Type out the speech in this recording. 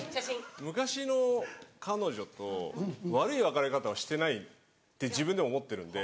昔の彼女と悪い別れ方はしてないって自分では思ってるんで。